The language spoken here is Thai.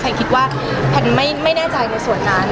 คิดว่าแพนไม่แน่ใจในส่วนนั้น